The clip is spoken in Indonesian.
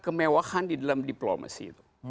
kemewahan di dalam diplomasi